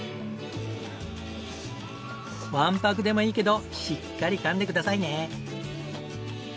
わんぱくでもいいけどしっかりかんでくださいね。